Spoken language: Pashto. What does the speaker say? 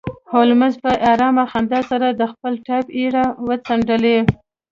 هولمز په ارامه خندا سره د خپل پایپ ایرې وڅنډلې